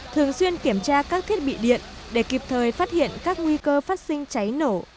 thường xuyên kiểm tra các thiết bị điện để kịp thời phát hiện các nguy cơ phát sinh cháy nổ